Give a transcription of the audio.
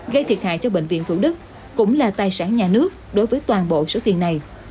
gây thiệt hại cho bệnh viện thủ đức cũng là tài sản nhà nước đối với toàn bộ số tiền này